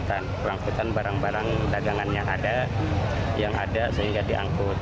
diangkut barang barang yang ada sehingga diangkut